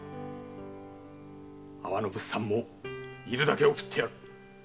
阿波の物産も要るだけ送ってやる。